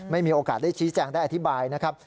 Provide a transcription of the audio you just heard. มีโอกาสได้ชี้แจงได้อธิบายนะครับ